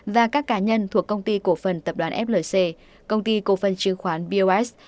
và các cá nhân thuộc công ty cổ phần tập đoàn flc công ty cổ phần chứng khoán bos